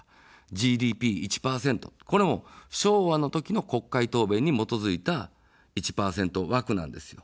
ＧＤＰ１％、これも昭和の時の国会答弁に基づいた１％枠なんですよ。